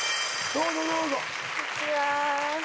どうぞどうぞ。